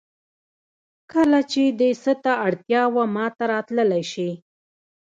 کله چې دې څه ته اړتیا وه ماته راتللی شې